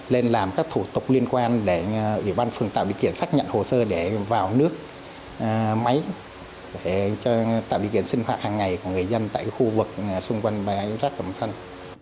lên làm các thủ tục liên quan để ủy ban phường tạo điều kiện xác nhận hồ sơ để vào nước máy để tạo điều kiện sinh hoạt hàng ngày của người dân tại khu vực xung quanh bãi rác quảng thân